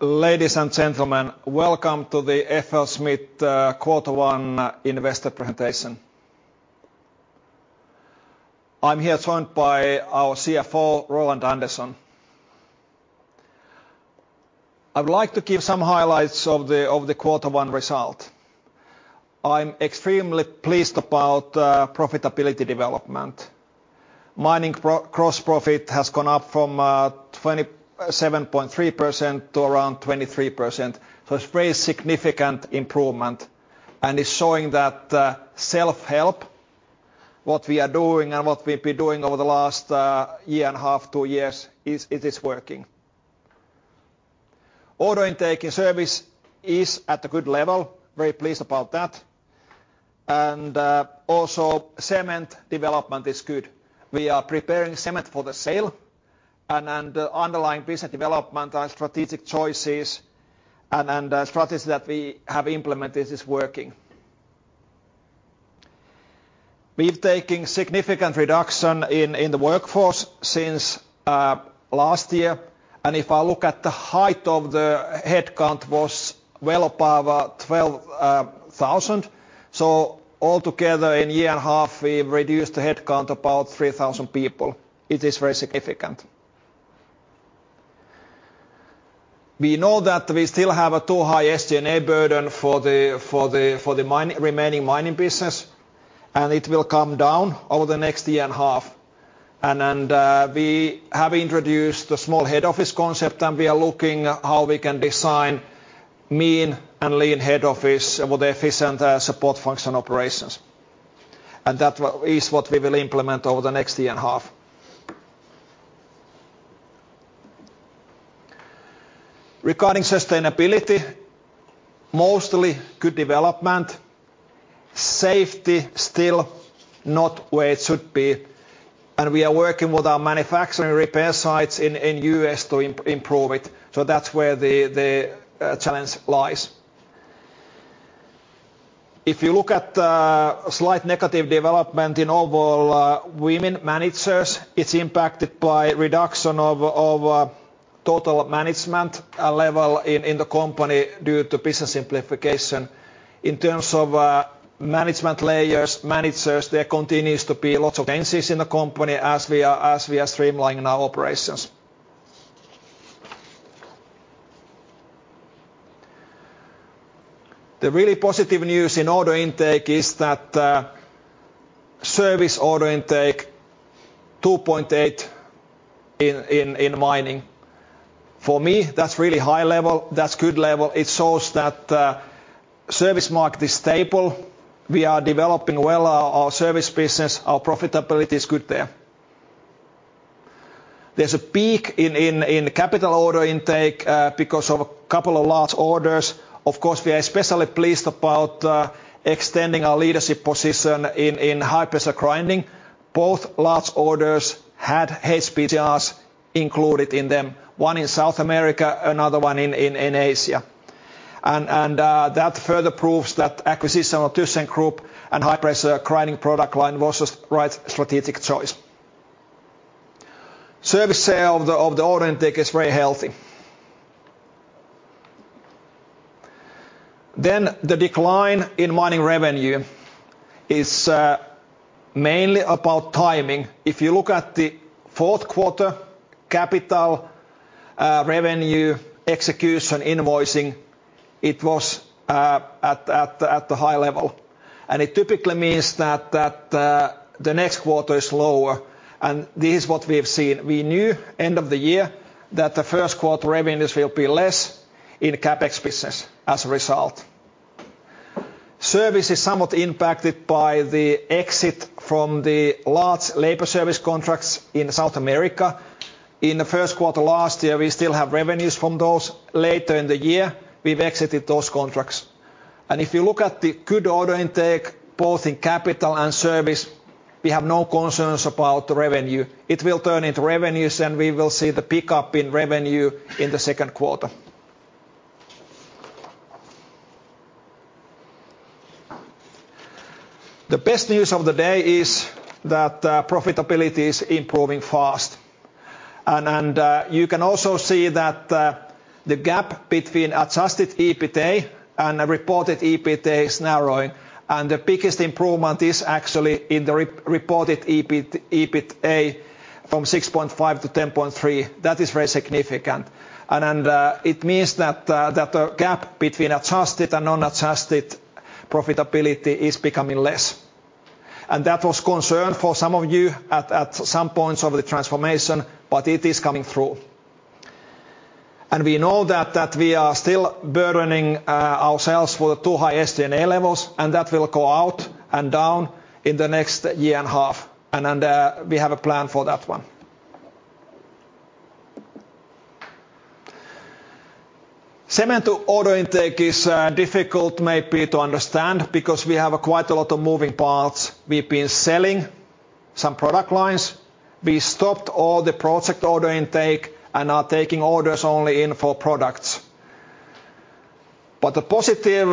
Ladies and gentlemen, welcome to the FLSmidth Quarter One Investor Presentation. I'm here joined by our CFO, Roland Andersen. I would like to give some highlights of the Quarter One result. I'm extremely pleased about profitability development. Mining gross profit has gone up from 27.3% to around 23%, so it's a very significant improvement. It's showing that self-help, what we are doing and what we've been doing over the last year and a half, two years, it is working. Order intake in service is at a good level. Very pleased about that. Also, cement development is good. We are preparing cement for the sale. Underlying business development and strategic choices and strategies that we have implemented is working. We've taken a significant reduction in the workforce since last year. If I look at the high of the headcount, it was well above 12,000. So altogether, in a year and a half, we've reduced the headcount about 3,000 people. It is very significant. We know that we still have a too high SG&A burden for the remaining mining business, and it will come down over the next year and a half. We have introduced a small head office concept, and we are looking at how we can design mean and lean head office with efficient support function operations. That is what we will implement over the next year and a half. Regarding sustainability, mostly good development. Safety is still not where it should be, and we are working with our manufacturing repair sites in the U.S. to improve it. So that's where the challenge lies. If you look at slight negative development in overall women managers, it's impacted by a reduction of total management level in the company due to business simplification. In terms of management layers, managers, there continues to be lots of changes in the company as we are streamlining our operations. The really positive news in order intake is that service order intake is 2.8 billion in mining. For me, that's really high level. That's good level. It shows that the service market is stable. We are developing well our service business. Our profitability is good there. There's a peak in capital order intake because of a couple of large orders. Of course, we are especially pleased about extending our leadership position in high-pressure grinding. Both large orders had HPGRs included in them, one in South America, another one in Asia. That further proves that acquisition of thyssenkrupp and high-pressure grinding product line was the right strategic choice. Service sale of the order intake is very healthy. The decline in mining revenue is mainly about timing. If you look at the fourth quarter, capital revenue, execution, invoicing, it was at a high level. It typically means that the next quarter is lower. This is what we've seen. We knew at the end of the year that the first quarter revenues will be less in CapEx business as a result. Service is somewhat impacted by the exit from the large labor service contracts in South America. In the first quarter last year, we still have revenues from those. Later in the year, we've exited those contracts. If you look at the good order intake, both in capital and service, we have no concerns about the revenue. It will turn into revenues, and we will see the pickup in revenue in the second quarter. The best news of the day is that profitability is improving fast. You can also see that the gap between adjusted EBITDA and reported EBITDA is narrowing. The biggest improvement is actually in the reported EBITDA from 6.5 to 10.3. That is very significant. It means that the gap between adjusted and non-adjusted profitability is becoming less. That was a concern for some of you at some points of the transformation, but it is coming through. We know that we are still burdening ourselves with the too high SG&A levels, and that will go out and down in the next year and a half. We have a plan for that one. Cement order intake is difficult maybe to understand because we have quite a lot of moving parts. We've been selling some product lines. We stopped all the project order intake and are taking orders only in for products. But the positive,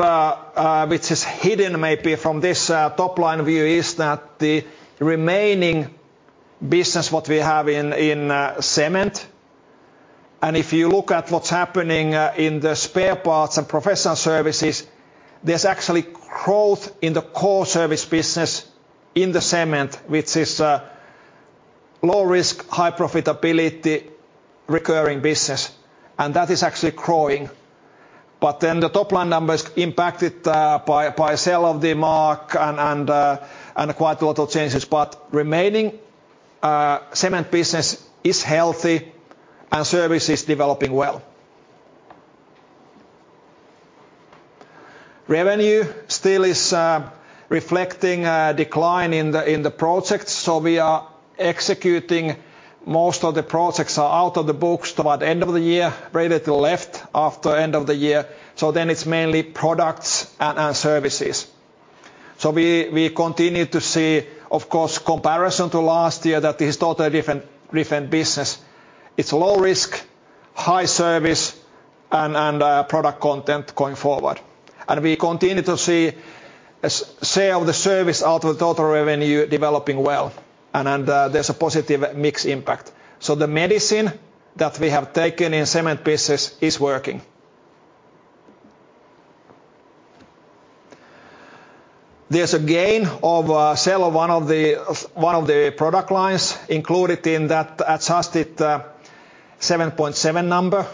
which is hidden maybe from this top-line view, is that the remaining business what we have in cement. If you look at what's happening in the spare parts and professional services, there's actually growth in the core service business in the cement, which is low risk, high profitability, recurring business. That is actually growing. Then the top-line numbers impacted by sale of the MAAG and quite a lot of changes. Remaining cement business is healthy, and service is developing well. Revenue still is reflecting a decline in the projects. We are executing most of the projects out of the books. About the end of the year, relatively little left after the end of the year. Then it's mainly products and services. We continue to see, of course, comparison to last year that this is totally different business. It's low risk, high service, and product content going forward. We continue to see a sale of the service out of the total revenue developing well. There's a positive mix impact. So the medicine that we have taken in cement business is working. There's a gain of sale of one of the product lines included in that adjusted 7.7 number.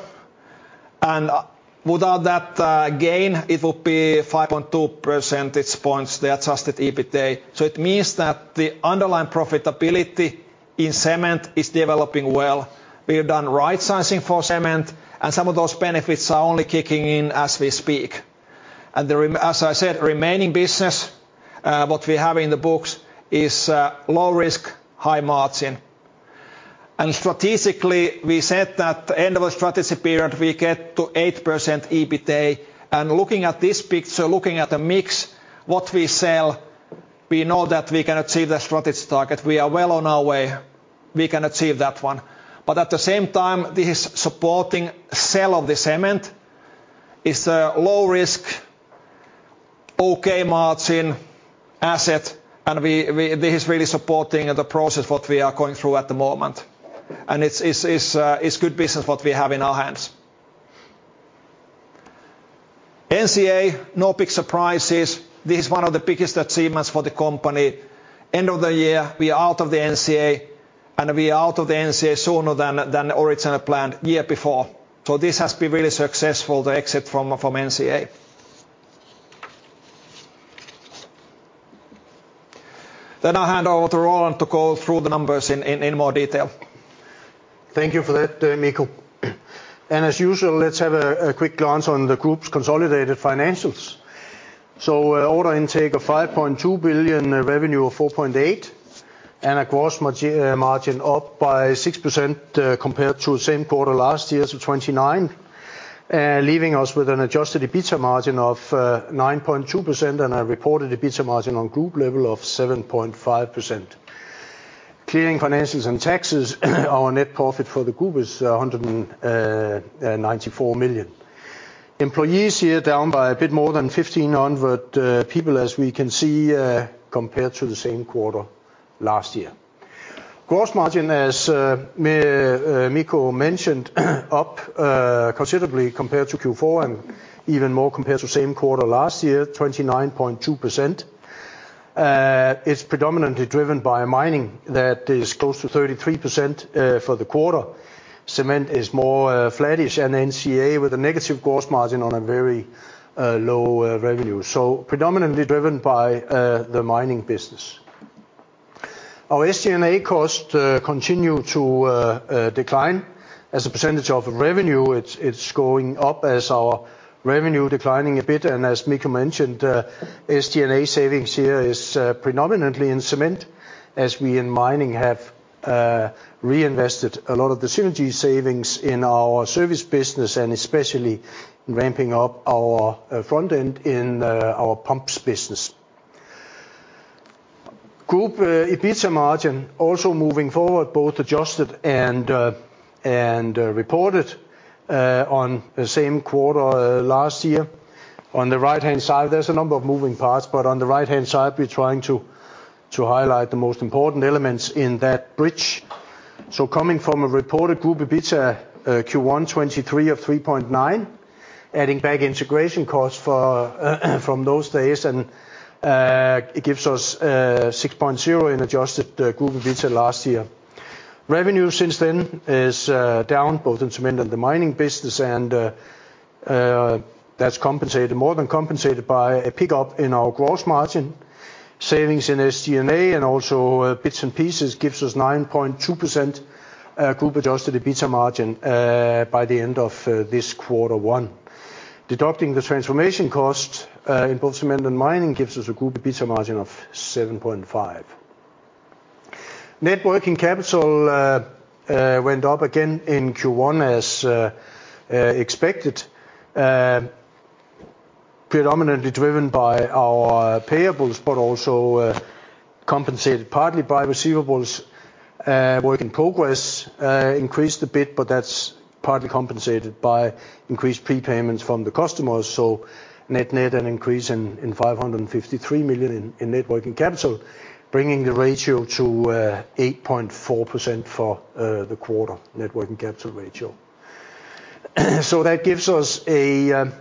Without that gain, it would be 5.2 percentage points the adjusted EBITDA. So it means that the underlying profitability in cement is developing well. We've done right sizing for cement, and some of those benefits are only kicking in as we speak. As I said, remaining business, what we have in the books is low risk, high margin. Strategically, we said that at the end of the strategy period, we get to 8% EBITDA. Looking at this picture, looking at the mix, what we sell, we know that we cannot achieve the strategic target. We are well on our way. We cannot achieve that one. But at the same time, this is supporting the sale of the cement. It's a low risk, okay margin asset, and this is really supporting the process what we are going through at the moment. And it's good business what we have in our hands. NCA, no big surprises. This is one of the biggest achievements for the company. End of the year, we are out of the NCA, and we are out of the NCA sooner than the original plan year before. So this has been really successful to exit from NCA. Then I'll hand over to Roland to go through the numbers in more detail. Thank you for that, Mikko. As usual, let's have a quick glance on the group's consolidated financials. Order intake of 5.2 billion, revenue of 4.8 billion, and a gross margin up by 6% compared to the same quarter last year, so 29%, leaving us with an adjusted EBITDA margin of 9.2% and a reported EBITDA margin on group level of 7.5%. Clearing financials and taxes, our net profit for the group is 194 million. Employees here down by a bit more than 1,500 people, as we can see, compared to the same quarter last year. Gross margin, as Mikko mentioned, is up considerably compared to Q4 and even more compared to the same quarter last year, 29.2%. It's predominantly driven by mining that is close to 33% for the quarter. Cement is more flattish and NCA with a negative gross margin on a very low revenue. So predominantly driven by the mining business. Our SG&A costs continue to decline. As a percentage of revenue, it's going up as our revenue is declining a bit. And as Mikko mentioned, SG&A savings here are predominantly in cement, as we in mining have reinvested a lot of the synergy savings in our service business and especially ramping up our front end in our pumps business. Group EBITDA margin also moving forward, both adjusted and reported on the same quarter last year. On the right-hand side, there's a number of moving parts, but on the right-hand side, we're trying to highlight the most important elements in that bridge. So coming from a reported group EBITDA Q1 2023 of 3.9, adding back integration costs from those days, it gives us 6.0 in adjusted group EBITDA last year. Revenue since then is down, both in cement and the mining business, and that's more than compensated by a pickup in our gross margin. Savings in SG&A and also bits and pieces give us 9.2% group adjusted EBITDA margin by the end of this quarter one. Deducting the transformation cost in both cement and mining gives us a group EBITDA margin of 7.5. Net working capital went up again in Q1 as expected, predominantly driven by our payables, but also compensated partly by receivables. Work in progress increased a bit, but that's partly compensated by increased prepayments from the customers. So net-net an increase in 553 million in net working capital, bringing the ratio to 8.4% for the quarter, net working capital ratio. So that gives us a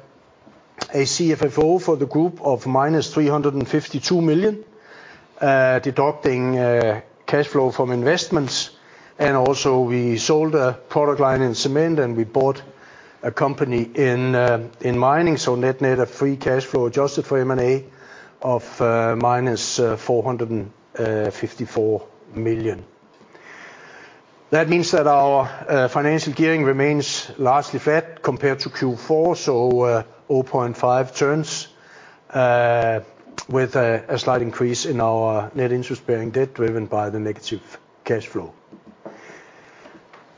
CFFO for the group of -352 million, deducting cash flow from investments. Also we sold a product line in cement and we bought a company in mining, so net-net of free cash flow adjusted for M&A of -454 million. That means that our financial gearing remains largely flat compared to Q4, so 0.5 turns, with a slight increase in our net interest-bearing debt driven by the negative cash flow.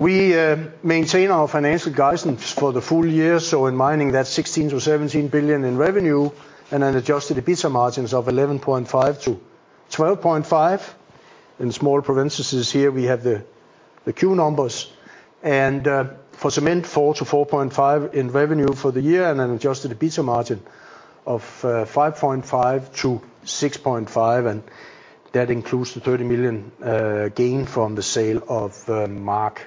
We maintain our financial guidance for the full year, so in mining, that's 16 billion-17 billion in revenue and an adjusted EBITDA margin of 11.5%-12.5%. In small parentheses here, we have the Q numbers. And for cement, 4 billion-4.5 billion in revenue for the year and an adjusted EBITDA margin of 5.5%-6.5%, and that includes the 30 million gain from the sale of MAAG.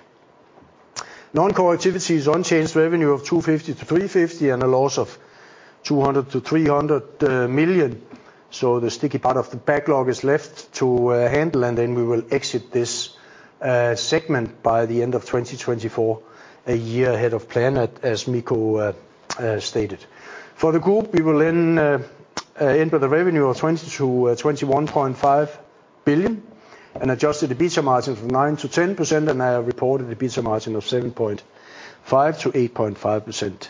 activity is unchanged revenue of 250 million-350 million and a loss of 200 million-300 million. So the sticky part of the backlog is left to handle, and then we will exit this segment by the end of 2024, a year ahead of plan, as Mikko stated. For the group, we will then enter the revenue of 20 billion-21.5 billion, an adjusted EBITDA margin of 9%-10%, and a reported EBITDA margin of 7.5%-8.5%.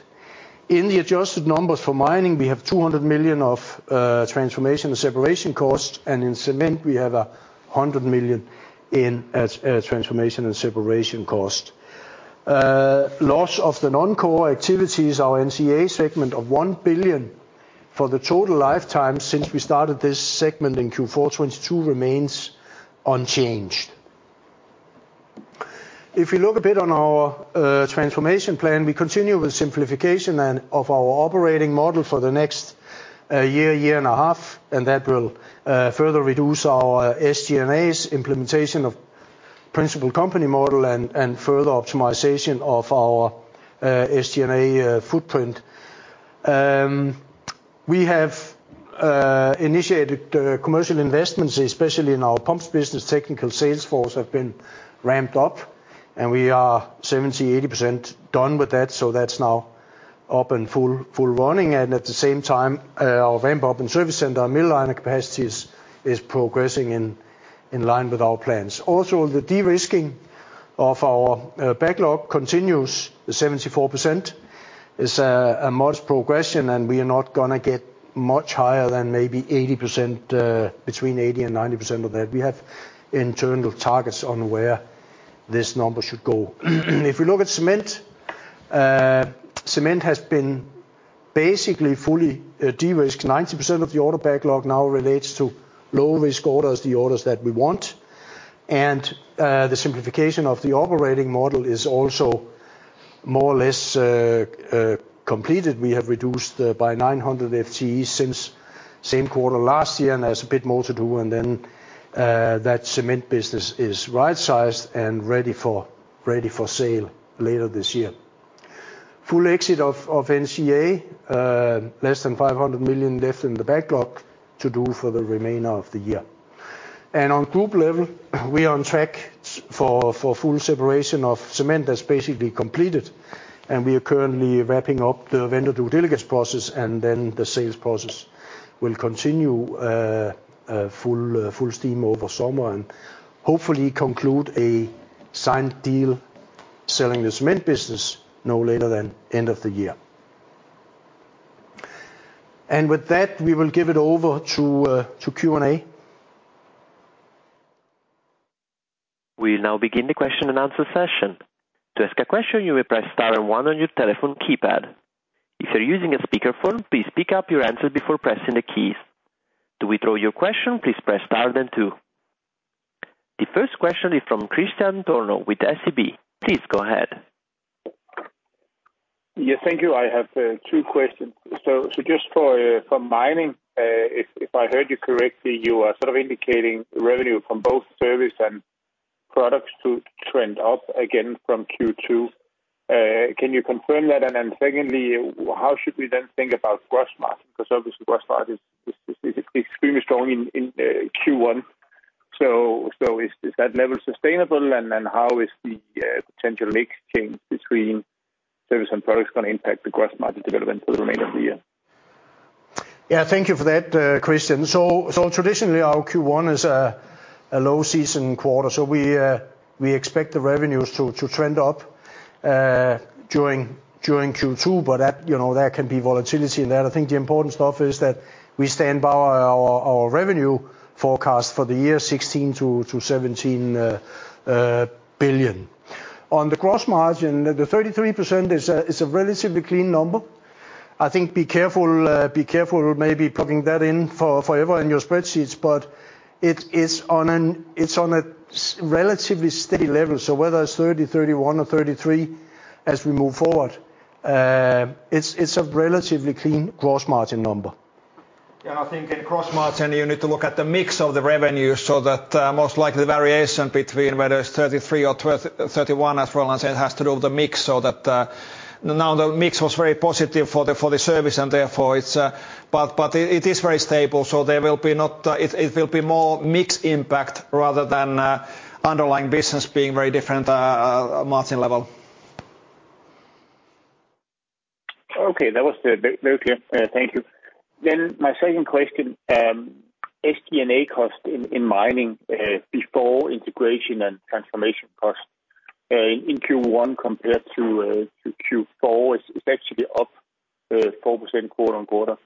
In the adjusted numbers for mining, we have 200 million of transformation and separation costs, and in cement, we have 100 million in transformation and separation costs. Loss of the non-core activities, our NCA segment of 1 billion for the total lifetime since we started this segment in Q4 2022 remains unchanged. If we look a bit on our transformation plan, we continue with simplification of our operating model for the next year, year and a half, and that will further reduce our SG&A. Implementation of principal company model and further optimization of our SG&A footprint. We have initiated commercial investments, especially in our pumps business. Technical sales force have been ramped up, and we are 70%-80% done with that, so that's now up and full running. And at the same time, our ramp-up in service center, mill liner capacity is progressing in line with our plans. Also, the de-risking of our backlog continues, the 74% is a modest progression, and we are not going to get much higher than maybe 80%, between 80%-90% of that. We have internal targets on where this number should go. If we look at cement, cement has been basically fully de-risked. 90% of the order backlog now relates to low-risk orders, the orders that we want. And the simplification of the operating model is also more or less completed. We have reduced by 900 FTEs since same quarter last year, and there's a bit more to do. And then that cement business is right-sized and ready for sale later this year. Full exit of NCA, less than 500 million left in the backlog to do for the remainder of the year. And on group level, we are on track for full separation of cement. That's basically completed, and we are currently wrapping up the vendor due diligence process, and then the sales process will continue full steam over summer and hopefully conclude a signed deal selling the cement business no later than end of the year. With that, we will give it over to Q&A. We now begin the question and answer session. To ask a question, you will press star and one on your telephone keypad. If you're using a speakerphone, please speak up your answers before pressing the keys. To withdraw your question, please press star then two. The first question is from Kristian Tornøe with SEB. Please go ahead. Yeah, thank you. I have two questions. So just for mining, if I heard you correctly, you are sort of indicating revenue from both services and products to trend up again from Q2. Can you confirm that? And then secondly, how should we then think about gross margin? Because obviously, gross margin is extremely strong in Q1. So is that level sustainable, and how is the potential mix change between services and products going to impact the gross margin development for the remainder of the year? Yeah, thank you for that, Christian. So traditionally, our Q1 is a low-season quarter, so we expect the revenues to trend up during Q2, but there can be volatility in that. I think the important stuff is that we stand by our revenue forecast for the year, 16 billion-17 billion. On the gross margin, the 33% is a relatively clean number. I think be careful maybe plugging that in forever in your spreadsheets, but it's on a relatively steady level. So whether it's 30, 31, or 33 as we move forward, it's a relatively clean gross margin number. Yeah, and I think in gross margin, you need to look at the mix of the revenues so that most likely the variation between whether it's 33 or 31, as Roland said, has to do with the mix. So now the mix was very positive for the service, and therefore it is very stable. So there will be more mix impact rather than underlying business being very different margin level. Okay, that was good. Very clear. Thank you. Then my second question, SG&A cost in mining before integration and transformation cost in Q1 compared to Q4 is actually up 4% quarter-on-quarter.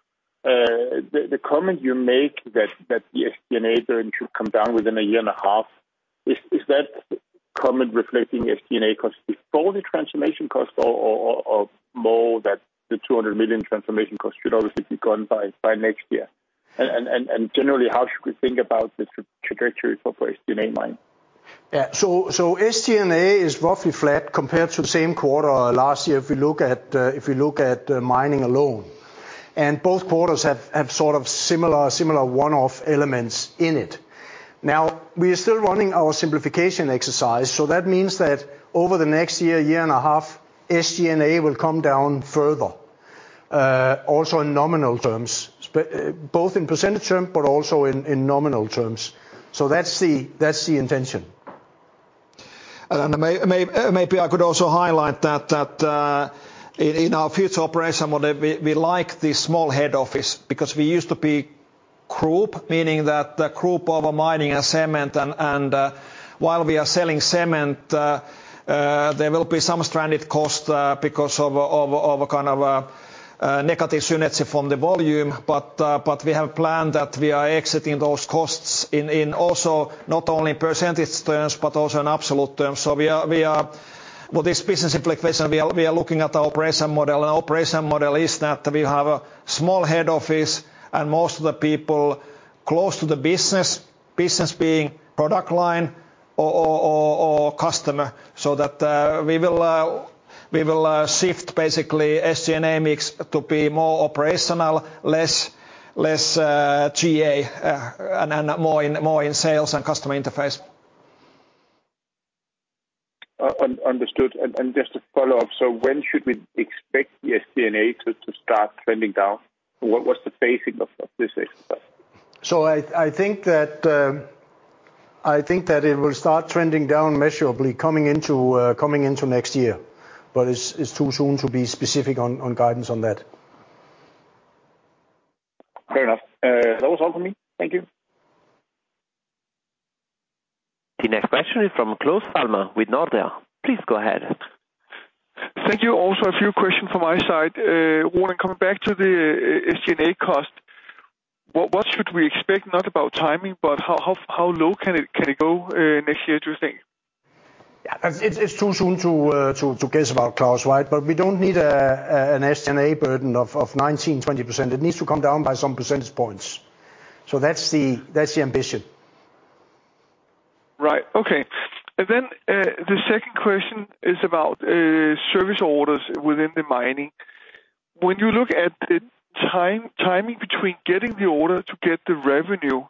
The comment you make that the SG&A should come down within a year and a half, is that comment reflecting SG&A cost before the transformation cost or more that the 200 million transformation cost should obviously be gone by next year? And generally, how should we think about the trajectory for SG&A mining? Yeah, so SG&A is roughly flat compared to the same quarter last year if we look at mining alone. Both quarters have sort of similar one-off elements in it. Now, we are still running our simplification exercise, so that means that over the next year, year and a half, SG&A will come down further, also in nominal terms, both in percentage terms but also in nominal terms. So that's the intention. Maybe I could also highlight that in our future operating model, we like this small head office because we used to be group, meaning that group over mining and cement. While we are selling cement, there will be some stranded cost because of a kind of negative synergy from the volume. But we have a plan that we are exiting those costs also not only in percentage terms but also in absolute terms. So with this business simplification, we are looking at our operating model, and our operating model is that we have a small head office and most of the people close to the business, business being product line or customer. So that we will shift basically SG&A mix to be more operational, less GA, and more in sales and customer interface. Understood. Just to follow up, so when should we expect the SG&A to start trending down? What's the basis of this exercise? So I think that it will start trending down measurably coming into next year, but it's too soon to be specific on guidance on that. Fair enough. That was all from me. Thank you. The next question is from Claus Almer with Nordea. Please go ahead. Thank you. Also a few questions from my side. Roland, coming back to the SG&A cost, what should we expect, not about timing, but how low can it go next year, do you think? Yeah, it's too soon to guess about, Klaus, right? But we don't need an SG&A burden of 19%-20%. It needs to come down by some percentage points. So that's the ambition. Right. Okay. And then the second question is about service orders within the mining. When you look at the timing between getting the order to get the revenue,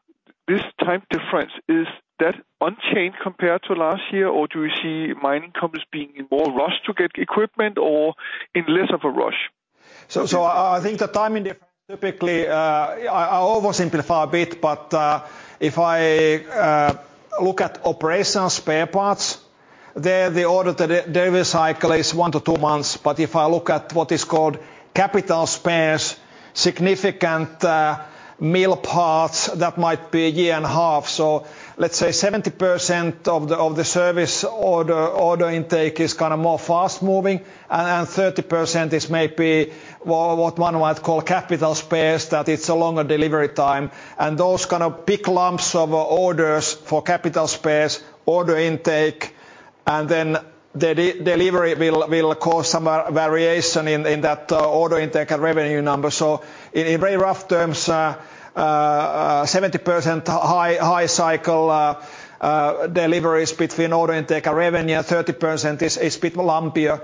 this time difference, is that unchanged compared to last year, or do you see mining companies being in more rush to get equipment or in less of a rush? So, I think the timing difference typically I oversimplify a bit but if I look at operational spare parts, the order that they recycle is 1-2 months. But if I look at what is called capital spares, significant mill parts, that might be a year and a half. So, let's say 70% of the service order intake is kind of more fast-moving, and 30% is maybe what one might call capital spares, that it's a longer delivery time. And those kind of big lumps of orders for capital spares, order intake, and then the delivery will cause some variation in that order intake and revenue number. So, in very rough terms, 70% high-cycle deliveries between order intake and revenue, and 30% is a bit lumpier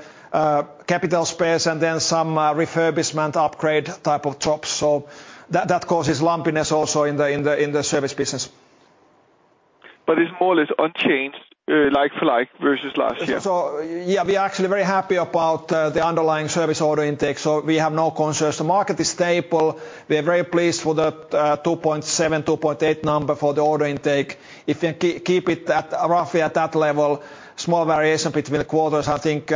capital spares and then some refurbishment upgrade type of jobs. So that causes lumpiness also in the service business. It's more or less unchanged like-for-like versus last year? So yeah, we are actually very happy about the underlying service order intake. So we have no concerns. The market is stable. We are very pleased for the 2.7-2.8 number for the order intake. If we can keep it roughly at that level, small variation between quarters, I think we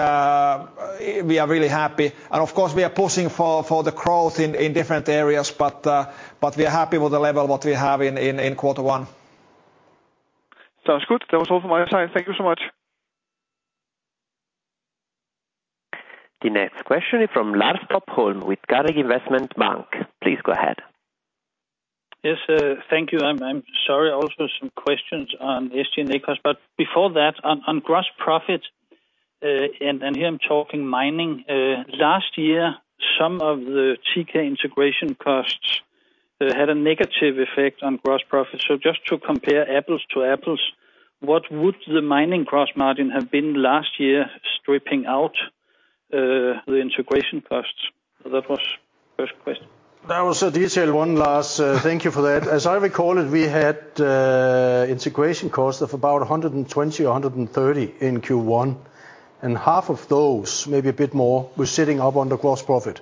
are really happy. And of course, we are pushing for the growth in different areas, but we are happy with the level what we have in quarter one. Sounds good. That was all from my side. Thank you so much. The next question is from Lars Topholm with Carnegie Investment Bank. Please go ahead. Yes, thank you. I'm sorry, also some questions on SG&A cost. Before that, on gross profit, and here I'm talking mining, last year, some of the TK integration costs had a negative effect on gross profit. Just to compare apples to apples, what would the mining gross margin have been last year stripping out the integration costs? That was the first question. That was a detailed one, Lars. Thank you for that. As I recall it, we had integration costs of about 120 or 130 in Q1. Half of those, maybe a bit more, were sitting up on the gross profit.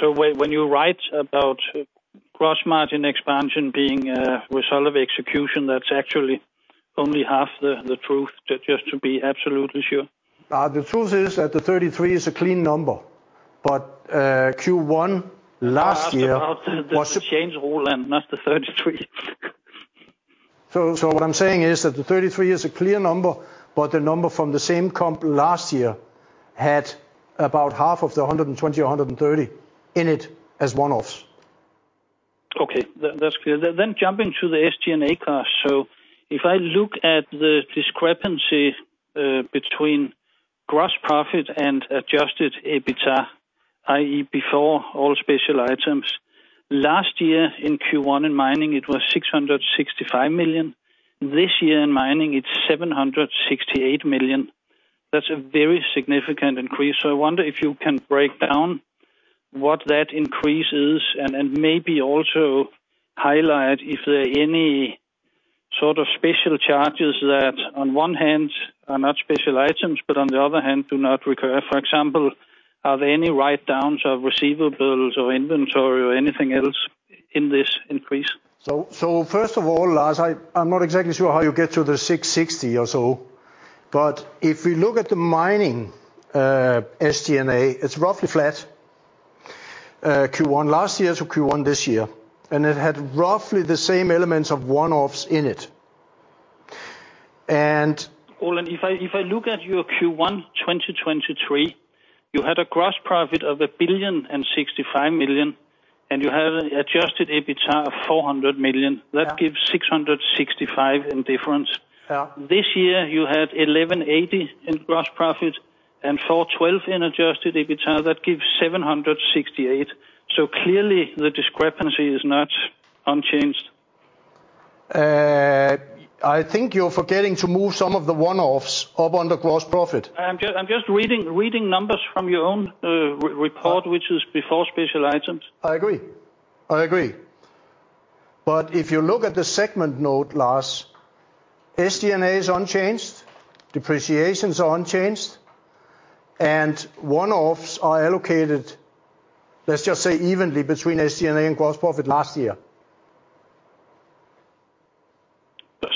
So when you write about gross margin expansion being resolved with execution, that's actually only half the truth, just to be absolutely sure? The truth is that the 33 is a clean number. But Q1 last year was. Last about the change, Roland, not the 33. What I'm saying is that the 33 is a clear number, but the number from the same comp last year had about half of the 120 or 130 in it as one-offs. Okay, that's clear. Then jumping to the SG&A cost. So if I look at the discrepancy between gross profit and adjusted EBITDA, i.e., before all special items, last year in Q1 in mining, it was 665 million. This year in mining, it's 768 million. That's a very significant increase. So I wonder if you can break down what that increase is and maybe also highlight if there are any sort of special charges that, on one hand, are not special items, but on the other hand, do not recur. For example, are there any write-downs of receivables or inventory or anything else in this increase? First of all, Lars, I'm not exactly sure how you get to the 660 or so. But if we look at the mining SG&A, it's roughly flat Q1 last year to Q1 this year. And it had roughly the same elements of one-offs in it. Roland, if I look at your Q1 2023, you had a gross profit of 1.065 billion, and you had an Adjusted EBITDA of 400 million. That gives 665 million in difference. This year, you had 1,180 million in gross profit and 412 million in Adjusted EBITDA. That gives 768 million. So clearly, the discrepancy is not unchanged. I think you're forgetting to move some of the one-offs up on the gross profit. I'm just reading numbers from your own report, which is before special items. I agree. I agree. But if you look at the segment note, Lars, SG&A is unchanged, depreciations are unchanged, and one-offs are allocated, let's just say, evenly between SG&A and gross profit last year.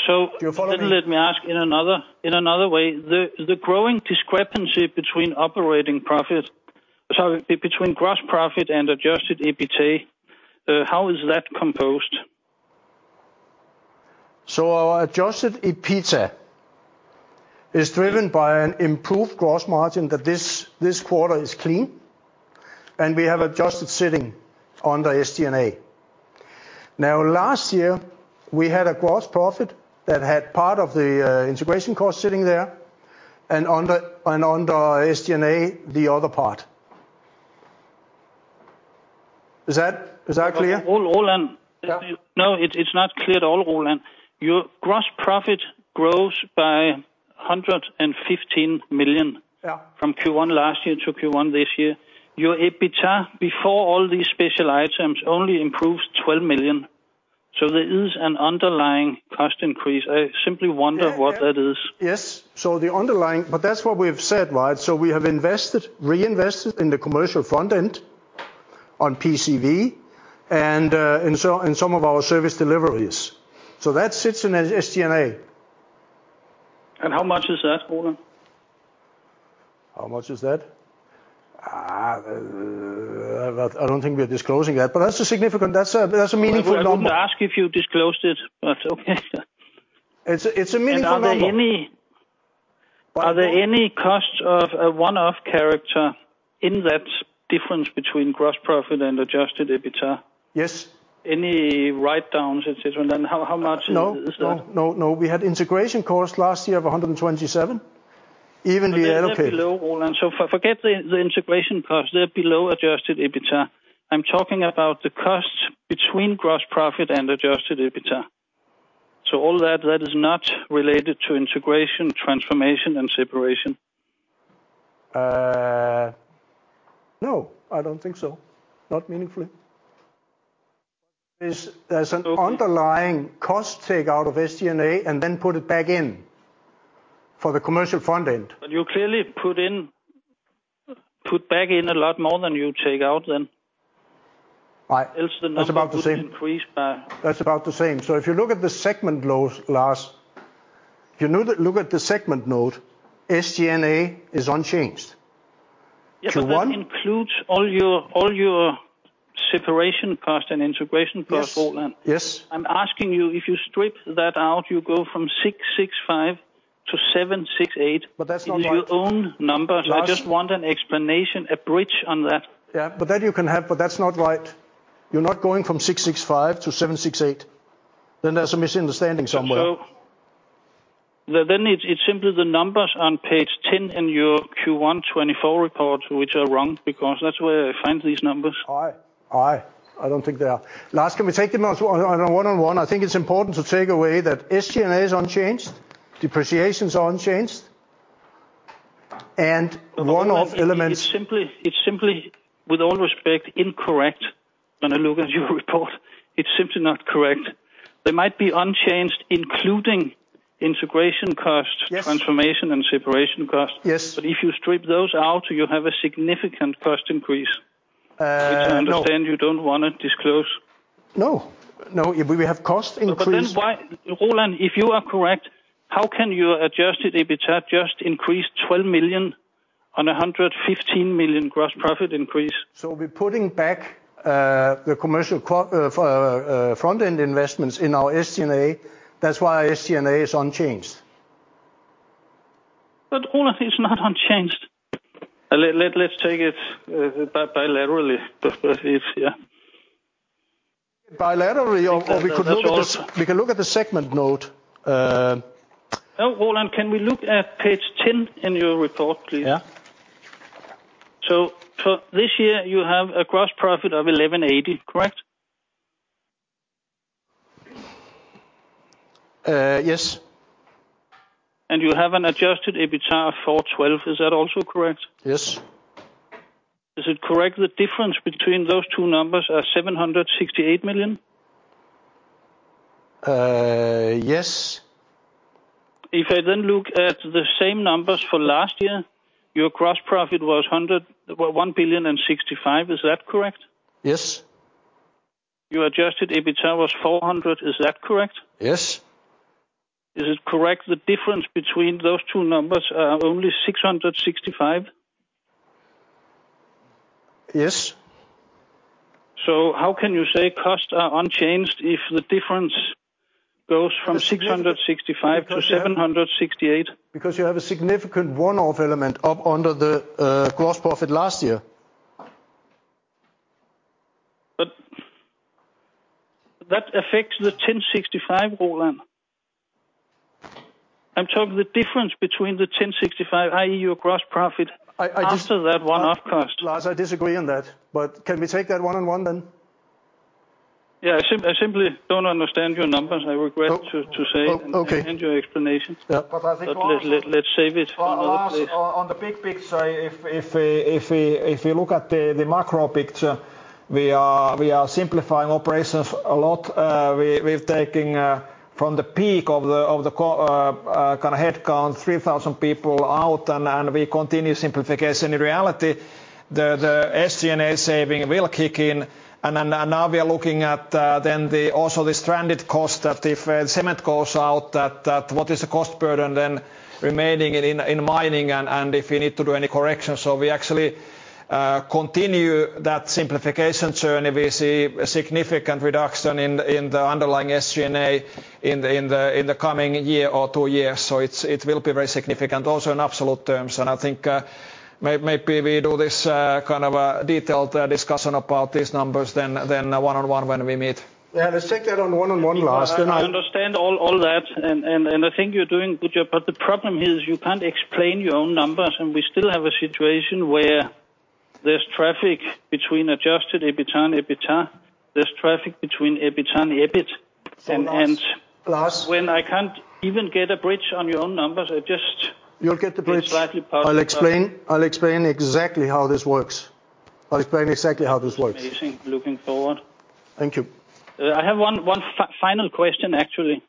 So then let me ask in another way. The growing discrepancy between operating profit, sorry, between Gross Profit and Adjusted EBITDA, how is that composed? So our Adjusted EBITDA is driven by an improved gross margin that this quarter is clean, and we have adjusted sitting under SG&A. Now, last year, we had a Gross Profit that had part of the integration cost sitting there, and under SG&A, the other part. Is that clear? Roland, no, it's not clear at all, Roland. Your gross profit grows by 115 million from Q1 last year to Q1 this year. Your EBITDA before all these special items only improves 12 million. So there is an underlying cost increase. I simply wonder what that is. Yes, so the underlying, but that's what we've said, right? So we have reinvested in the commercial front end on PCV and in some of our service deliveries. So that sits in SG&A. How much is that, Roland? How much is that? I don't think we're disclosing that, but that's a significant, that's a meaningful number. I wouldn't ask if you disclosed it, but okay. It's a meaningful number. Are there any costs of a one-off character in that difference between gross profit and Adjusted EBITDA? Yes. Any write-downs, etc.? And then how much is that? No, no, no, no. We had integration cost last year of 127, evenly allocated. They're below, Roland. So forget the integration cost. They're below Adjusted EBITDA. I'm talking about the costs between gross profit and Adjusted EBITDA. So all that is not related to integration, transformation, and separation. No, I don't think so. Not meaningfully. There's an underlying cost takeout of SG&A and then put it back in for the commercial front end. But you clearly put back in a lot more than you take out then. Else the net would increase by. That's about the same. That's about the same. If you look at the segment note, Lars, if you look at the segment note, SG&A is unchanged. Q1. Yeah, but that includes all your separation cost and integration cost, Roland. I'm asking you, if you strip that out, you go from 665-768. But that's not right. It's your own number. So I just want an explanation, a bridge on that. Yeah, but that you can have, but that's not right. You're not going from 665 to 768. Then there's a misunderstanding somewhere. It's simply the numbers on page 10 in your Q1 2024 report, which are wrong because that's where I find these numbers. I don't think they are. Lars, can we take them on a one-on-one? I think it's important to take away that SG&A is unchanged, depreciations are unchanged, and one-off elements. It's simply, with all respect, incorrect when I look at your report. It's simply not correct. They might be unchanged, including integration cost, transformation, and separation cost. But if you strip those out, you have a significant cost increase, which I understand you don't want to disclose. No, no, we have cost increase. But then why, Roland, if you are correct, how can your Adjusted EBITDA just increase 12 million on a 115 million gross profit increase? We're putting back the commercial front-end investments in our SG&A. That's why our SG&A is unchanged. But, Roland, it's not unchanged. Let's take it bilaterally, yeah. Bilaterally, or we could look at the segment note. Roland, can we look at page 10 in your report, please? Yeah. So for this year, you have a gross profit of 1,180, correct? Yes. You have an Adjusted EBITDA of 412. Is that also correct? Yes. Is it correct the difference between those two numbers are 768 million? Yes. If I then look at the same numbers for last year, your gross profit was 1.065 billion. Is that correct? Yes. Your Adjusted EBITDA was 400. Is that correct? Yes. Is it correct the difference between those two numbers are only 665? Yes. How can you say costs are unchanged if the difference goes from 665 to 768? Because you have a significant one-off element up under the Gross Profit last year. But that affects the 1065, Roland. I'm talking the difference between the 1065, i.e., your gross profit, after that one-off cost. Lars, I disagree on that. But can we take that one-on-one then? Yeah, I simply don't understand your numbers. I regret to say, and your explanation. But let's save it for another place. Lars, on the big picture, if we look at the macro picture, we are simplifying operations a lot. We've taken from the peak of the kind of headcount, 3,000 people out, and we continue simplification. In reality, the SG&A saving will kick in. Now we are looking at then also the stranded cost that if cement goes out, what is the cost burden then remaining in mining and if we need to do any corrections. We actually continue that simplification journey. We see a significant reduction in the underlying SG&A in the coming year or two years. It will be very significant also in absolute terms. I think maybe we do this kind of detailed discussion about these numbers then one-on-one when we meet. Yeah, let's take that on one-on-one, Lars. Then I. I understand all that. I think you're doing good job. But the problem here is you can't explain your own numbers. We still have a situation where there's traffic between Adjusted EBITDA and EBITDA. There's traffic between EBITDA and EBIT. When I can't even get a bridge on your own numbers, I just. You'll get the bridge. It's slightly possible. I'll explain exactly how this works. I'll explain exactly how this works. Amazing. Looking forward. Thank you. I have one final question, actually.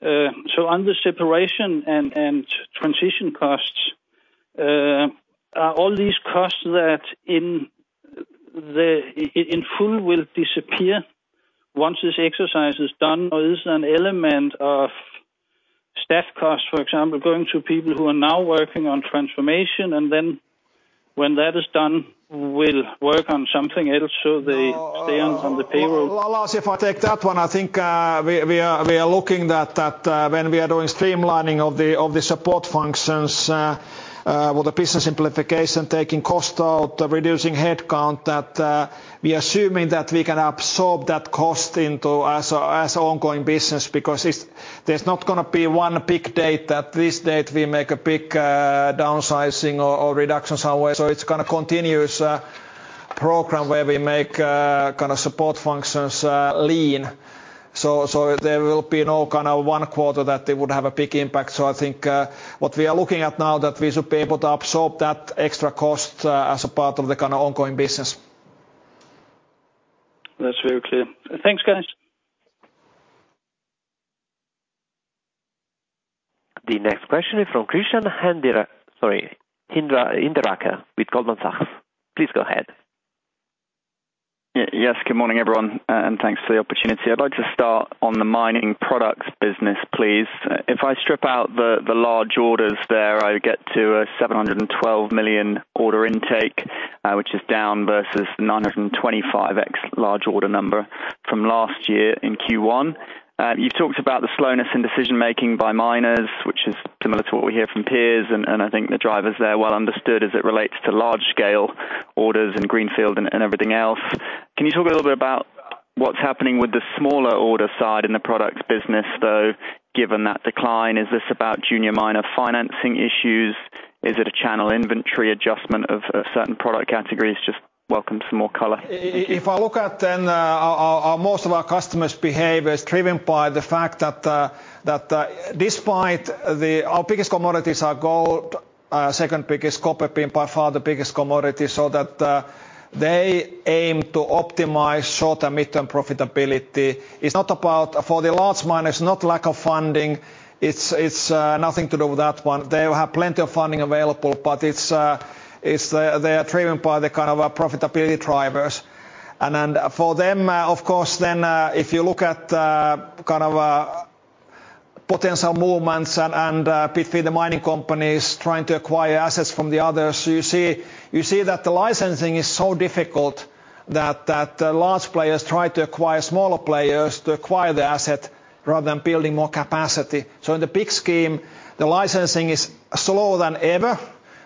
So on the separation and transition costs, are all these costs that in full will disappear once this exercise is done? Or is there an element of staff costs, for example, going to people who are now working on transformation? And then when that is done, will work on something else so they stay on the payroll? Lars, if I take that one, I think we are looking that when we are doing streamlining of the support functions with the business simplification, taking cost out, reducing headcount, that we are assuming that we can absorb that cost as an ongoing business because there's not going to be one big date that this date we make a big downsizing or reduction somewhere. So it's kind of a continuous program where we make kind of support functions lean. So there will be no kind of one quarter that it would have a big impact. So I think what we are looking at now that we should be able to absorb that extra cost as a part of the kind of ongoing business. That's very clear. Thanks, guys. The next question is from Christian Hinderaker with Goldman Sachs. Please go ahead. Yes. Good morning, everyone. Thanks for the opportunity. I'd like to start on the mining products business, please. If I strip out the large orders there, I get to a 712 million order intake, which is down versus the 925 million large order number from last year in Q1. You've talked about the slowness in decision-making by miners, which is similar to what we hear from peers. I think the drivers are there well understood as it relates to large-scale orders in greenfield and everything else. Can you talk a little bit about what's happening with the smaller order side in the products business, though, given that decline? Is this about junior miner financing issues? Is it a channel inventory adjustment of certain product categories? Just welcome some more color. If I look at then, are most of our customers' behaviors driven by the fact that, despite the our biggest commodities are gold, second biggest copper being by far the biggest commodity? So that they aim to optimize short- and mid-term profitability. It's not about for the large miners, not lack of funding. It's nothing to do with that one. They have plenty of funding available, but they are driven by the kind of profitability drivers. And for them, of course, then if you look at kind of potential movements between the mining companies trying to acquire assets from the others, you see that the licensing is so difficult that large players try to acquire smaller players to acquire the asset rather than building more capacity. So in the big scheme, the licensing is slower than ever.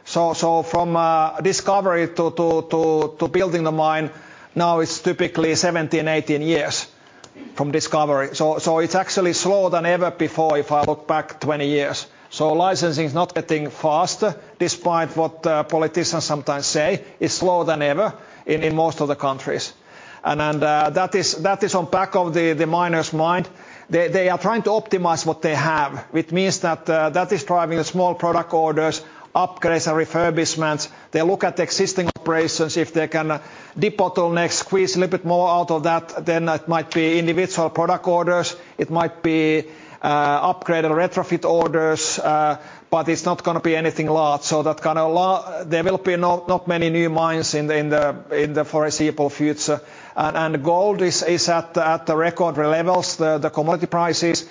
So from discovery to building the mine, now it's typically 17-18 years from discovery. So it's actually slower than ever before if I look back 20 years. So licensing is not getting faster, despite what politicians sometimes say. It's slower than ever in most of the countries. And that is on the back of the miners' mind. They are trying to optimize what they have, which means that that is driving the small product orders, upgrades, and refurbishments. They look at existing operations if they can debottleneck, squeeze a little bit more out of that. Then it might be individual product orders. It might be upgrade and retrofit orders. But it's not going to be anything large. So that kind of there will be not many new mines in the foreseeable future. And gold is at the record levels, the commodity prices.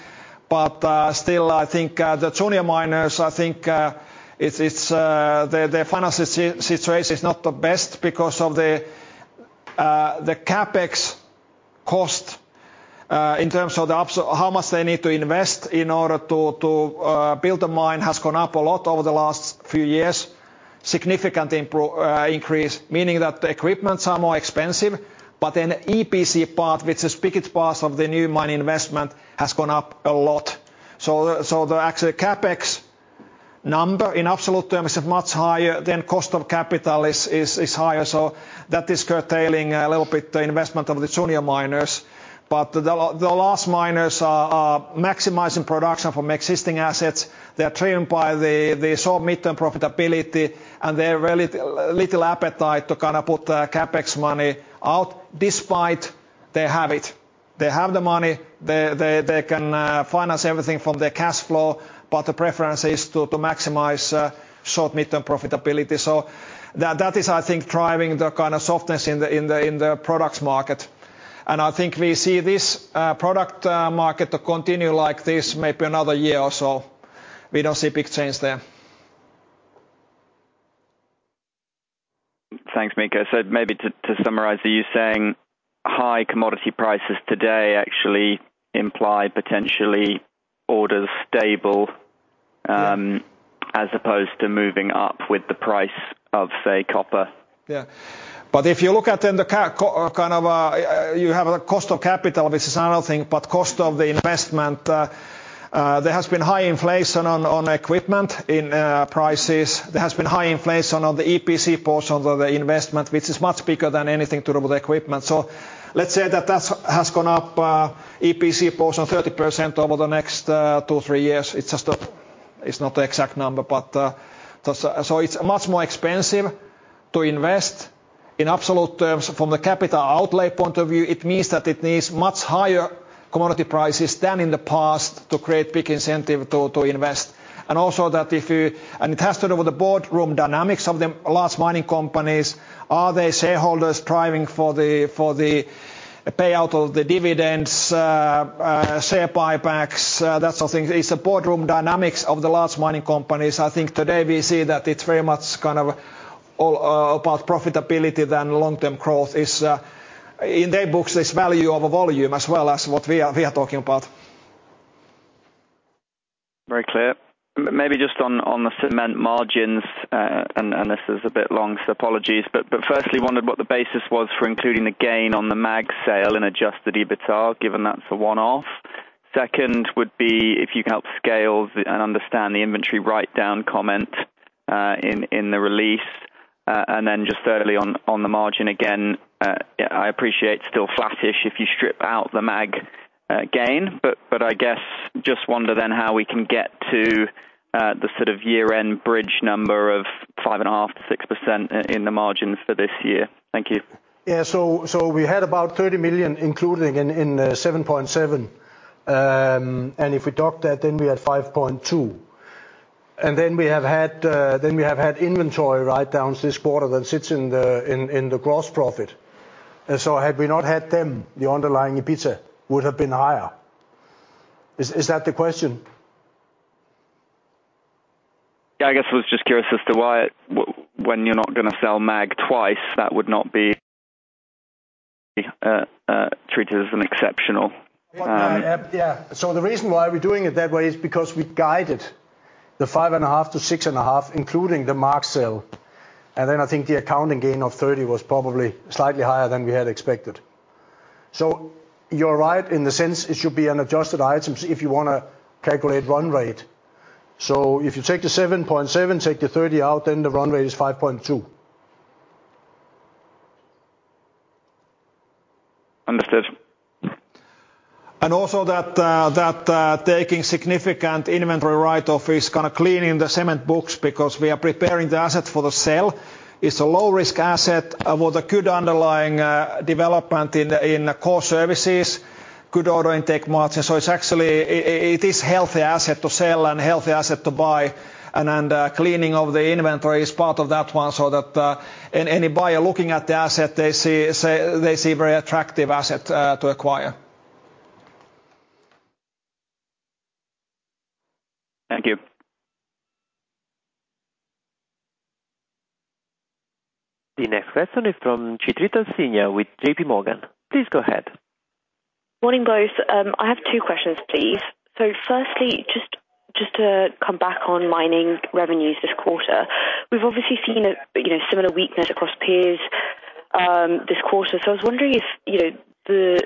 But still, I think the junior miners, I think their financial situation is not the best because of the CapEx cost in terms of how much they need to invest in order to build a mine has gone up a lot over the last few years. Significant increase, meaning that the equipment is more expensive. But then the EPC part, which is the biggest part of the new mine investment, has gone up a lot. So the actual CapEx number in absolute terms is much higher. Then cost of capital is higher. So that is curtailing a little bit the investment of the junior miners. But the large miners are maximizing production from existing assets. They are driven by the short mid-term profitability. And they have little appetite to kind of put CapEx money out despite they have it. They have the money. They can finance everything from their cash flow. But the preference is to maximize short mid-term profitability. So that is, I think, driving the kind of softness in the products market. And I think we see this product market to continue like this maybe another year or so. We don't see a big change there. Thanks, Mikko. So maybe to summarize, are you saying high commodity prices today actually imply potentially orders stable as opposed to moving up with the price of, say, copper? Yeah. But if you look at then the kind of you have a cost of capital, which is another thing. But cost of the investment, there has been high inflation on equipment prices. There has been high inflation on the EPC portion of the investment, which is much bigger than anything to do with equipment. So let's say that that has gone up, EPC portion, 30% over the next two, three years. It's not the exact number. So it's much more expensive to invest. In absolute terms, from the capital outlay point of view, it means that it needs much higher commodity prices than in the past to create big incentive to invest. And also that if you and it has to do with the boardroom dynamics of the large mining companies. Are they shareholders driving for the payout of the dividends, share buybacks, that sort of thing? It's the boardroom dynamics of the large mining companies. I think today we see that it's very much kind of about profitability than long-term growth. In their books, it's value of a volume as well as what we are talking about. Very clear. Maybe just on the cement margins, and this is a bit long, so apologies. But firstly, wondered what the basis was for including the gain on the MAAG sale in Adjusted EBITDA, given that's a one-off. Second would be if you can help scale and understand the inventory write-down comment in the release. And then just thirdly, on the margin again, I appreciate still flattish if you strip out the MAAG gain. But I guess just wonder then how we can get to the sort of year-end bridge number of 5.5%-6% in the margins for this year. Thank you. Yeah. So we had about 30 million included in 7.7%. And if we docked that, then we had 5.2%. And then we have had inventory write-downs this quarter that sits in the gross profit. So had we not had them, the underlying EPC would have been higher. Is that the question? Yeah. I guess I was just curious as to why, when you're not going to sell MAAG twice, that would not be treated as an exceptional. Yeah. So the reason why we're doing it that way is because we guided the 5.5%-6.5%, including the MAAG sale. And then I think the accounting gain of 30% was probably slightly higher than we had expected. So you're right in the sense it should be on adjusted items if you want to calculate run rate. So if you take the 7.7%, take the 30% out, then the run rate is 5.2%. Understood. And also that taking significant inventory write-off is kind of cleaning the cement books because we are preparing the asset for the sale. It's a low-risk asset with a good underlying development in core services, good order intake margin. So it is a healthy asset to sell and a healthy asset to buy. And cleaning of the inventory is part of that one so that any buyer looking at the asset, they see a very attractive asset to acquire. Thank you. The next question is from Chitrita Sinha with JPMorgan. Please go ahead. Morning, both. I have two questions, please. So firstly, just to come back on mining revenues this quarter. We've obviously seen a similar weakness across peers this quarter. So I was wondering if the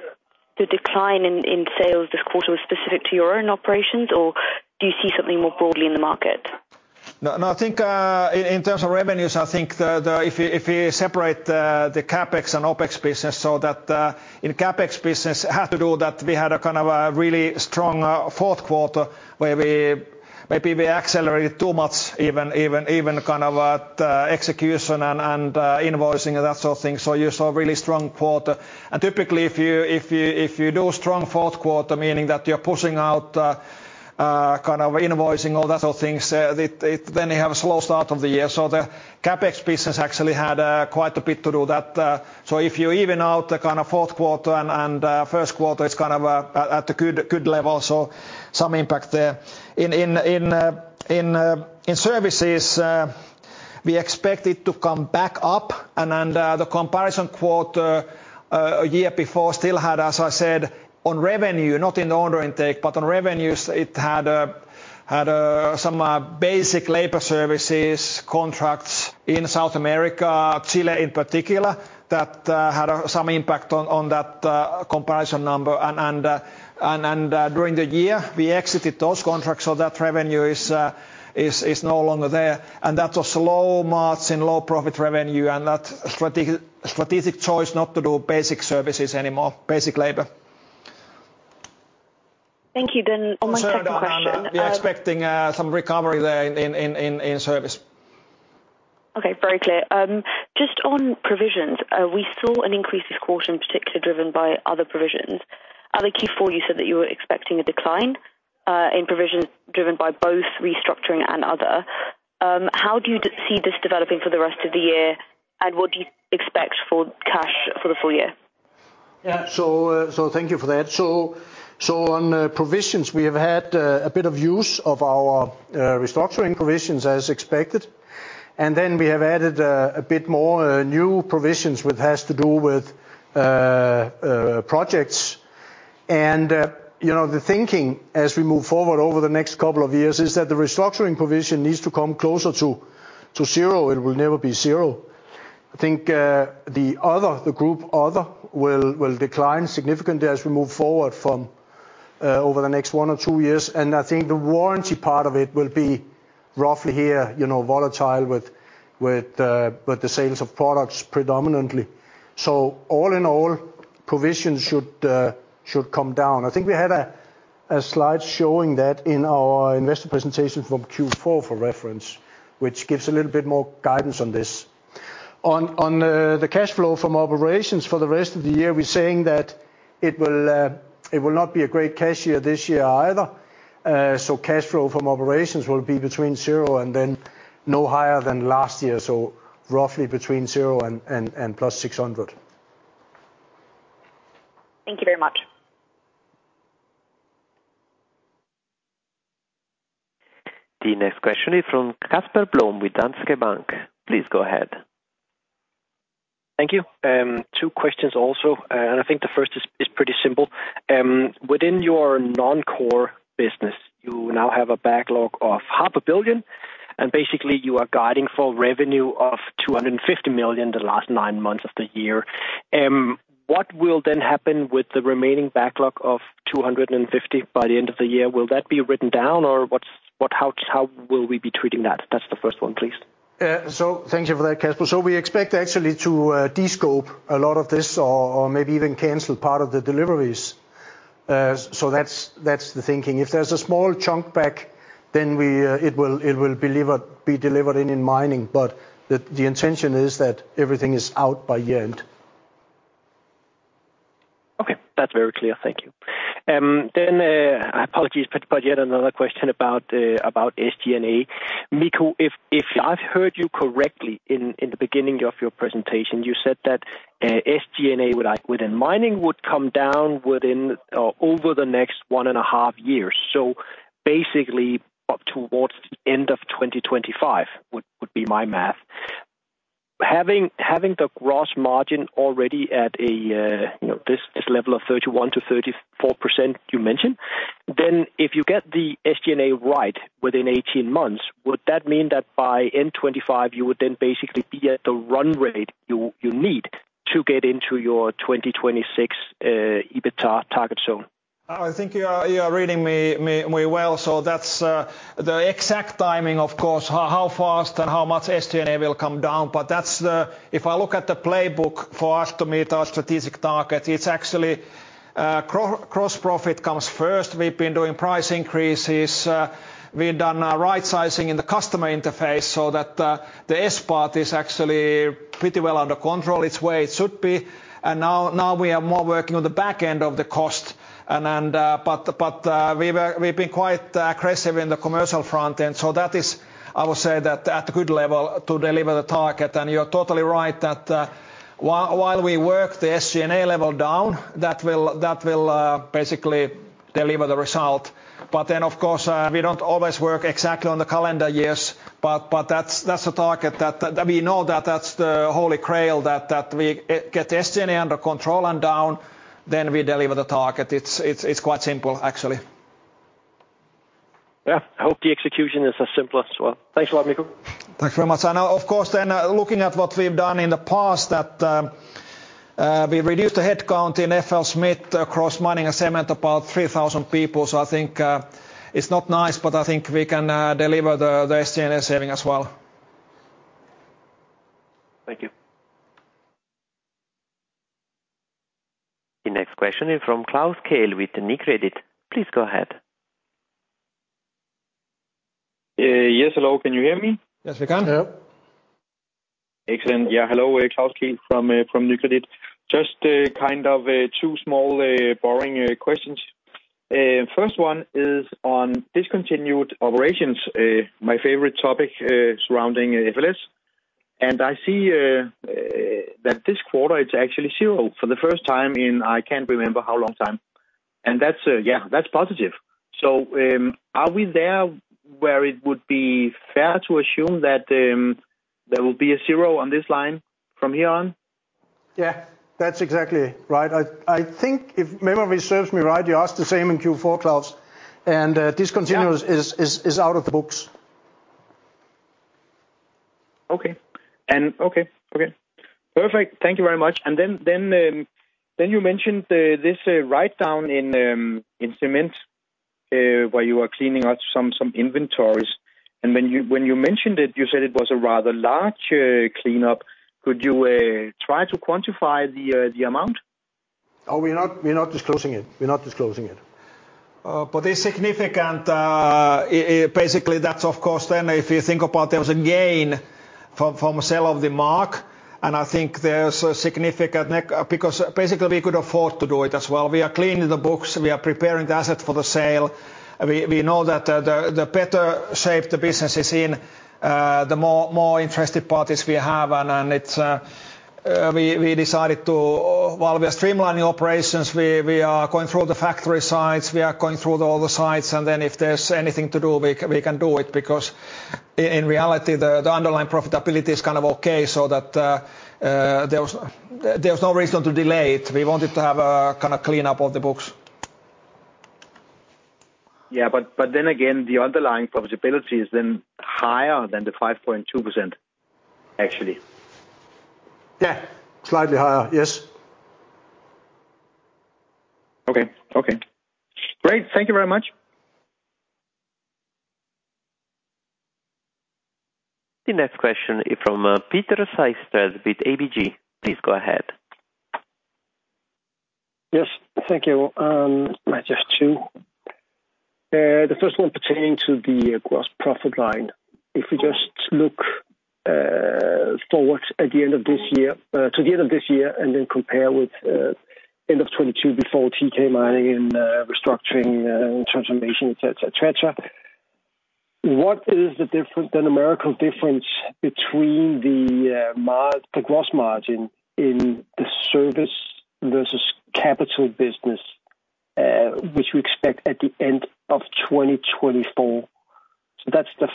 decline in sales this quarter was specific to your own operations, or do you see something more broadly in the market? No. I think in terms of revenues, I think if we separate the CapEx and OpEx business so that in CapEx business has to do that we had a kind of a really strong fourth quarter where maybe we accelerated too much even kind of execution and invoicing and that sort of thing. So you saw a really strong quarter. And typically, if you do a strong fourth quarter, meaning that you're pushing out kind of invoicing or that sort of thing, then you have a slow start of the year. So the CapEx business actually had quite a bit to do that. So if you even out the kind of fourth quarter and first quarter, it's kind of at a good level. So some impact there. In services, we expect it to come back up. The comparison quarter a year before still had, as I said, on revenue, not in the order intake, but on revenues, it had some basic labor services contracts in South America, Chile in particular, that had some impact on that comparison number. During the year, we exited those contracts. That revenue is no longer there. That was slow margin, low-profit revenue, and that strategic choice not to do basic services anymore, basic labor. Thank you. Then one more technical question. So we are expecting some recovery there in service. Okay. Very clear. Just on provisions, we saw an increase this quarter, in particular driven by other provisions. Other Q4, you said that you were expecting a decline in provisions driven by both restructuring and other. How do you see this developing for the rest of the year? And what do you expect for cash for the full year? Yeah. So thank you for that. So on provisions, we have had a bit of use of our restructuring provisions as expected. And then we have added a bit more new provisions which has to do with projects. And the thinking as we move forward over the next couple of years is that the restructuring provision needs to come closer to zero. It will never be zero. I think the group other will decline significantly as we move forward over the next one or two years. And I think the warranty part of it will be roughly here, volatile with the sales of products predominantly. So all in all, provisions should come down. I think we had a slide showing that in our investor presentation from Q4 for reference, which gives a little bit more guidance on this. On the cash flow from operations for the rest of the year, we're saying that it will not be a great cash year this year either. So cash flow from operations will be between 0 and then no higher than last year. So roughly between 0 and +600. Thank you very much. The next question is from Casper Blom with Danske Bank. Please go ahead. Thank you. Two questions also. I think the first is pretty simple. Within your non-core business, you now have a backlog of 500 million. Basically, you are guiding for revenue of 250 million the last nine months of the year. What will then happen with the remaining backlog of 250 million by the end of the year? Will that be written down, or how will we be treating that? That's the first one, please. So thank you for that, Casper. So we expect actually to descope a lot of this or maybe even cancel part of the deliveries. So that's the thinking. If there's a small chunk back, then it will be delivered in mining. But the intention is that everything is out by year-end. Okay. That's very clear. Thank you. Then apologies, but yet another question about SG&A. Mikko, if I've heard you correctly in the beginning of your presentation, you said that SG&A within mining would come down over the next one and a half years. So basically, up towards the end of 2025 would be my math. Having the gross margin already at this level of 31%-34% you mentioned, then if you get the SG&A right within 18 months, would that mean that by end 2025, you would then basically be at the run rate you need to get into your 2026 EBITDA target zone? Oh, I think you are reading me well. So that's the exact timing, of course, how fast and how much SG&A will come down. But if I look at the playbook for us to meet our strategic targets, it's actually gross profit comes first. We've been doing price increases. We've done right-sizing in the customer interface so that the S part is actually pretty well under control. It's way it should be. And now we are more working on the back end of the cost. But we've been quite aggressive in the commercial front end. So that is, I would say, that at a good level to deliver the target. And you're totally right that while we work the SG&A level down, that will basically deliver the result. But then, of course, we don't always work exactly on the calendar years. That's a target that we know that that's the holy grail. That we get the SG&A under control and down, then we deliver the target. It's quite simple, actually. Yeah. I hope the execution is as simple as well. Thanks a lot, Mikko. Thanks very much. And of course, then looking at what we've done in the past, that we reduced the headcount in FLSmidth across mining and cement to about 3,000 people. So I think it's not nice, but I think we can deliver the SG&A saving as well. Thank you. The next question is from Klaus Kehl with Nykredit. Please go ahead. Yes. Hello. Can you hear me? Yes, we can. Yeah. Excellent. Yeah. Hello. Klaus Kehl from Nykredit. Just kind of two small boring questions. First one is on discontinued operations, my favorite topic surrounding FLS. And I see that this quarter, it's actually zero for the first time in I can't remember how long time. And yeah, that's positive. So are we there where it would be fair to assume that there will be a zero on this line from here on? Yeah. That's exactly right. I think if memory serves me right, you asked the same in Q4, Klaus. And discontinued is out of the books. Okay. Perfect. Thank you very much. Then you mentioned this write-down in cement where you are cleaning out some inventories. When you mentioned it, you said it was a rather large cleanup. Could you try to quantify the amount? Oh, we're not disclosing it. We're not disclosing it. But it's significant. Basically, that's, of course, then if you think about there was a gain from a sale of the MAAG. And I think there's a significant because basically, we could afford to do it as well. We are cleaning the books. We are preparing the asset for the sale. We know that the better shape the business is in, the more interested parties we have. And we decided to while we are streamlining operations, we are going through the factory sites. We are going through all the sites. And then if there's anything to do, we can do it because in reality, the underlying profitability is kind of okay so that there was no reason to delay it. We wanted to have a kind of cleanup of the books. Yeah. But then again, the underlying profitability is then higher than the 5.2%, actually. Yeah. Slightly higher. Yes. Okay. Okay. Great. Thank you very much. The next question is from Peter Sehested with ABG. Please go ahead. Yes. Thank you. Just two. The first one pertaining to the gross profit line. If we just look forward at the end of this year to the end of this year and then compare with end of 2022 before TK Mining and restructuring and transformation, etc., etc., what is the numerical difference between the gross margin in the service versus capital business, which we expect at the end of 2024? So that's the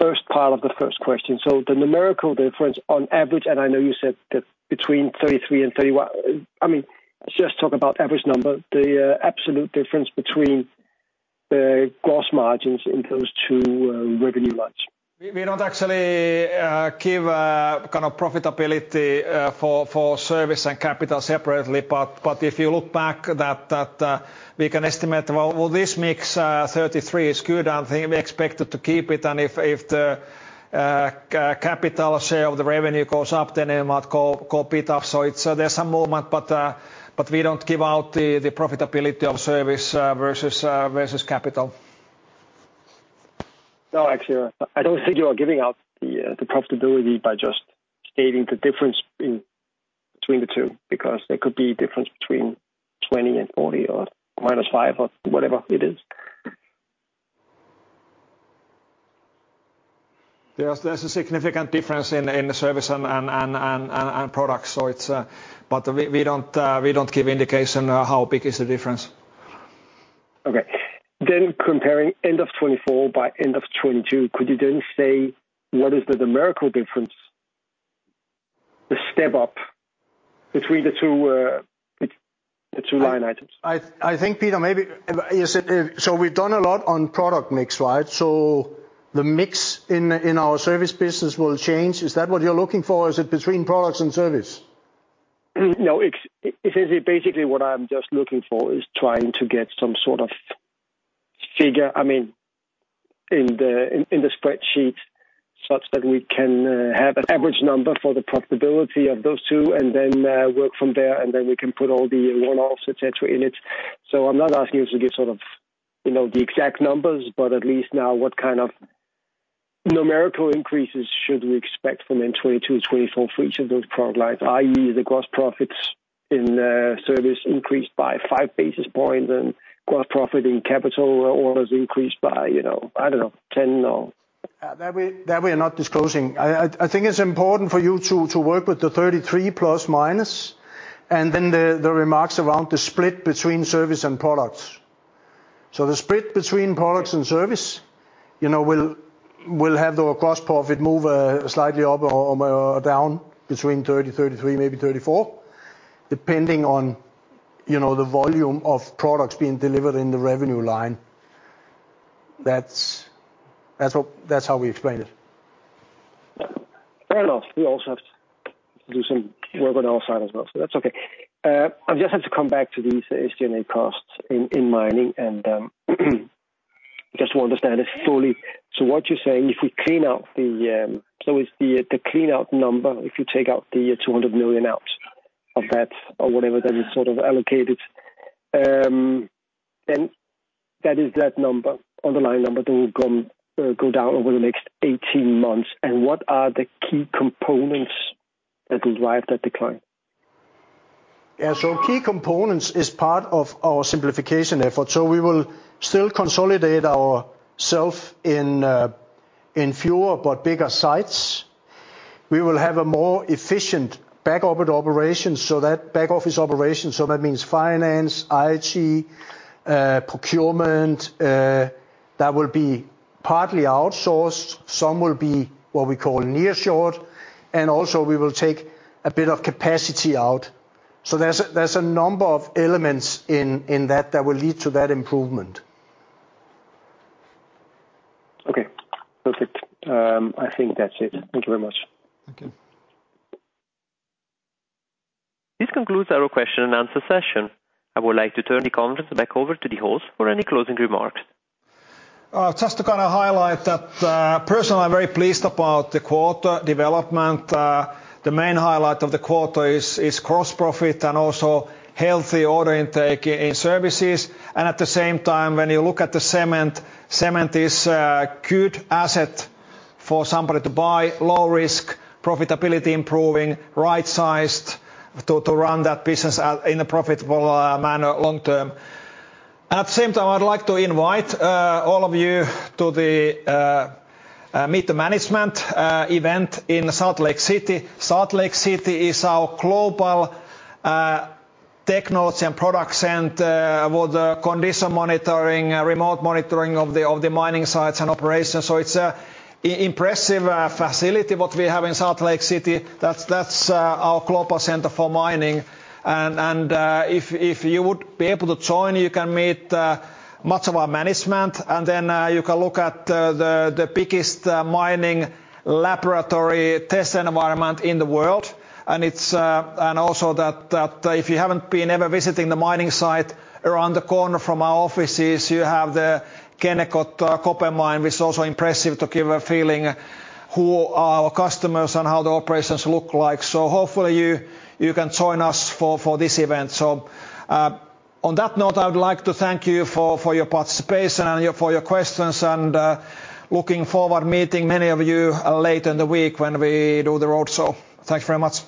first part of the first question. So the numerical difference on average, and I know you said that between 33 and 31 I mean, let's just talk about average number, the absolute difference between the gross margins in those two revenue lines. We don't actually give kind of profitability for service and capital separately. But if you look back, we can estimate this mix. 33 is good. And we expect it to keep it. And if the capital share of the revenue goes up, then it might go beat up. So there's some movement, but we don't give out the profitability of service versus capital. No, actually, I don't think you are giving out the profitability by just stating the difference between the two because there could be a difference between 20 and 40 or minus 5 or whatever it is. There's a significant difference in service and products. We don't give indication how big is the difference. Okay. Then comparing end of 2024 by end of 2022, could you then say what is the numerical difference, the step up between the two line items? I think, Peter, maybe so we've done a lot on product mix, right? So the mix in our service business will change. Is that what you're looking for? Is it between products and service? No. Basically, what I'm just looking for is trying to get some sort of figure, I mean, in the spreadsheet such that we can have an average number for the profitability of those two and then work from there. And then we can put all the one-offs, etc., in it. So I'm not asking you to give sort of the exact numbers, but at least now what kind of numerical increases should we expect from end 2022 to 2024 for each of those product lines, i.e., the gross profits in service increased by five basis points and gross profit in capital orders increased by, I don't know, 10 or? That we are not disclosing. I think it's important for you to work with the 33 ± and then the remarks around the split between service and products. The split between products and service will have the gross profit move slightly up or down between 30%-33%, maybe 34%, depending on the volume of products being delivered in the revenue line. That's how we explain it. Fair enough. We also have to do some work on our side as well. So that's okay. I just have to come back to these SG&A costs in mining and just to understand it fully. So what you're saying, if we clean out the, so it's the clean-out number. If you take out the 200 million out of that or whatever that is sort of allocated, then that is that number, underlying number that will go down over the next 18 months. And what are the key components that will drive that decline? Yeah. So key components is part of our simplification effort. So we will still consolidate ourselves in fewer but bigger sites. We will have a more efficient back-office operation. So that back-office operation, so that means finance, IT, procurement, that will be partly outsourced. Some will be what we call nearshore. And also, we will take a bit of capacity out. So there's a number of elements in that that will lead to that improvement. Okay. Perfect. I think that's it. Thank you very much. Thank you. This concludes our question and answer session. I would like to turn the conference back over to the host for any closing remarks. Just to kind of highlight that personally, I'm very pleased about the quarter development. The main highlight of the quarter is gross profit and also healthy order intake in services. And at the same time, when you look at the cement, cement is a good asset for somebody to buy, low risk, profitability improving, right-sized to run that business in a profitable manner long term. And at the same time, I'd like to invite all of you to the Meet the Management event in Salt Lake City. Salt Lake City is our global technology and product center for the condition monitoring, remote monitoring of the mining sites and operations. So it's an impressive facility what we have in Salt Lake City. That's our global center for mining. And if you would be able to join, you can meet much of our management. Then you can look at the biggest mining laboratory test environment in the world. And also that if you haven't been ever visiting the mining site around the corner from our offices, you have the Kennecott Copper Mine, which is also impressive to give a feeling who our customers and how the operations look like. So hopefully, you can join us for this event. So on that note, I would like to thank you for your participation and for your questions. And looking forward to meeting many of you later in the week when we do the roadshow. Thanks very much.